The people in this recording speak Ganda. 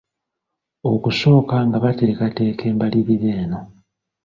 Okusooka nga bateekateeka embalirira eno.